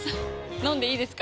飲んでいいですか？